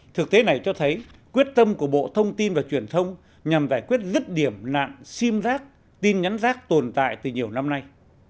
thực tế này cho thấy quyết tâm của bộ thông tin và truyền thông nhằm giải quyết rứt điểm nạn sim rác tin nhắn rác tồn tại từ nhiều năm nay